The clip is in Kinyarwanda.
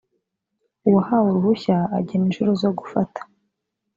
uwahawe uruhushya agena inshuro zo gufata.